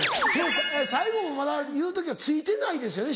最後まだ言う時は着いてないですよね